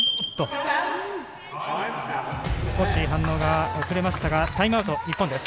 少し反応が遅れましたがタイムアウト、日本です。